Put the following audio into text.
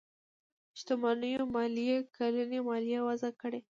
شتمنيو ماليې کلنۍ ماليه وضعه کړي.